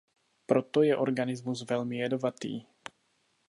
Proto je pro organismus velmi jedovatý.